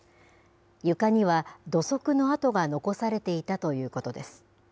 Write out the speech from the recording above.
床には土足の跡が残されていたということです。